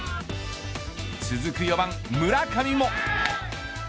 続く４番、村上も。